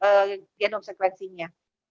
pemeriksaan untuk genom sekresinya